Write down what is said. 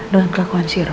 dengan kelakuan si roy